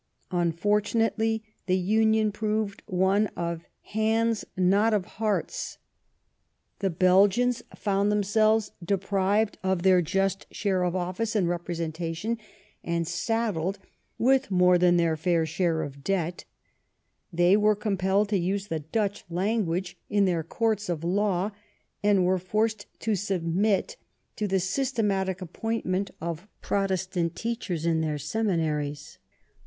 Unfortunately the union proved one of hands, not of hearts. The Belgians 42 LIFE OF VISCOUNT PALMEBSTON. found themselves deprived of their jast share of office and representadoDy and saddled with more than their fair share of debt ; they were compelled to use the Dutch language in their courts of law, and were forced to submit to the systematic appointment of Protestant teachers in their seminaries.